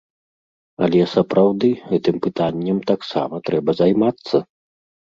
Але сапраўды, гэтым пытаннем таксама трэба займацца.